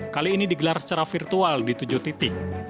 kali ini digelar secara virtual di tujuh titik